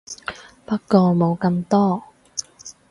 不過冇咁多